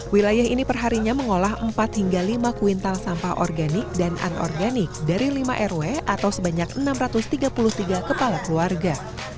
wilayah ini perharinya mengolah empat hingga lima kuintal sampah organik dan anorganik dari lima rw atau sebanyak enam ratus tiga puluh tiga kepala keluarga